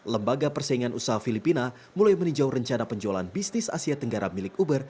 lembaga persaingan usaha filipina mulai meninjau rencana penjualan bisnis asia tenggara milik uber